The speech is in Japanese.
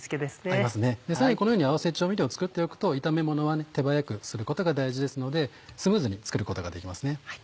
合いますねさらにこのように合わせ調味料を作っておくと炒めものは手早くすることが大事ですのでスムーズに作ることができますね。